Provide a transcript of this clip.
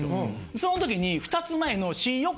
その時に２つ前の。